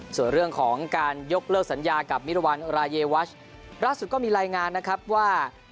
ส่วนเรื่องของการยกเลิกสัญญากับมิรวรรณรายวัชล่าสุดก็มีรายงานนะครับว่า